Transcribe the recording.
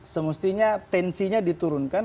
semestinya tensinya diturunkan